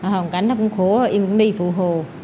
hồng cánh nó cũng khổ em cũng đi phụ hồ